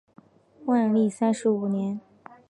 万历三十五年。